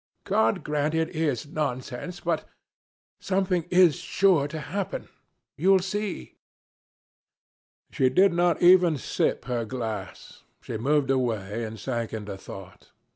"God grant it is nonsense, but... something is sure to happen! You'll see." She did not even sip her glass, she moved away and sank into thought.